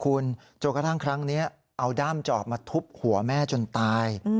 คุณจนกระทั่งครั้งนี้เอาด้ามจอบมาทุบหัวแม่จนตาย